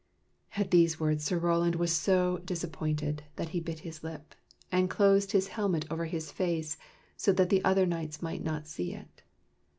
At these words Sir Roland was so disappointed that he bit his lip, and closed his helmet over his face so that the other knights might not see it.